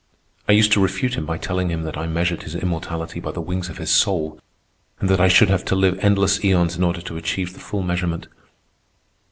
I used to refute him by telling him that I measured his immortality by the wings of his soul, and that I should have to live endless aeons in order to achieve the full measurement.